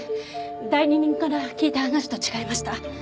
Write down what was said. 代理人から聞いた話と違いました。